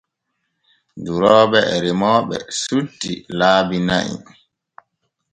Durooɓe e remooɓe sutti laabi na'i.